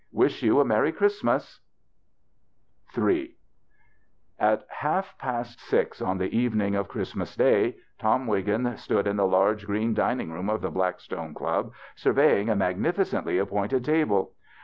Wish you meiTy Christmas." THE BACHELOR'S CHRISTMAS 39 III At half past six on the evening of Christ mas day Tom Wiggin stood in the large green dining room of the Blackstone Club, survey ing a magnificently appointed table.